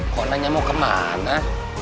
kok nanya mau kemana